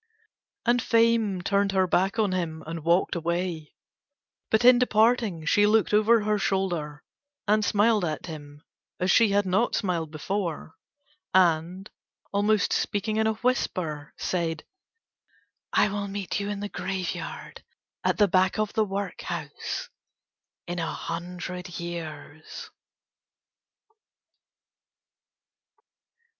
And Fame turned her back on him and walked away, but in departing she looked over her shoulder and smiled at him as she had not smiled before, and, almost speaking in a whisper, said: "I will meet you in the graveyard at the back of the Workhouse in a hundred years."